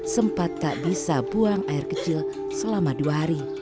sempat tak bisa buang air kecil selama dua hari